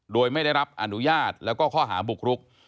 โดยไม่ได้รับอนุญาตแล้วก็ข้อหาบุกรุก